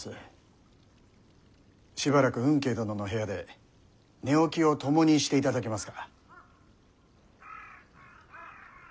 しばらく吽慶殿の部屋で寝起きを共にしていただけますか？